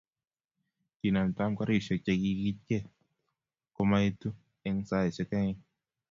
kinamtan karisiek chekiikichgei komaitu eng saisiek oeng